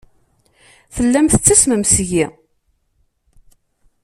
Tellam tettasmem seg-i.